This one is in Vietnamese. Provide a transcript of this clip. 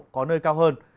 có nơi cao hơn